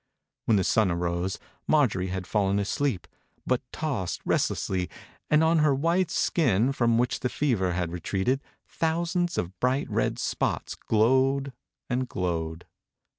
When the sun arose Marjorie had fallen asleep, but tossed rest lessly, and on her white skin, from which the fever had re treated, thousands of bright red spots glowed and glowed.